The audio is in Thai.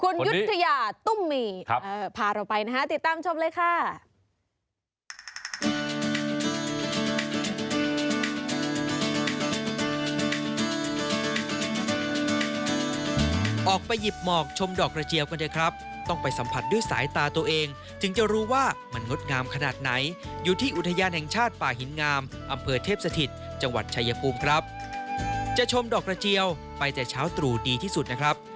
คุณยุธยาตุ้มมีพาเราไปนะฮะติดตามชมเลยค่ะ